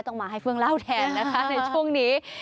ต้องมาให้เฟื่องเล่าแทนนะคะในช่วงนี้